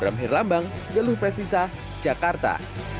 bramhir lambang geluh presisa jakarta